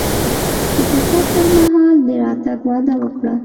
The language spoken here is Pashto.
د فرصت پر مهال د راتګ وعده وکړه.